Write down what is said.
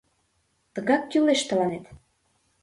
Тыгак кӱлеш тыланет!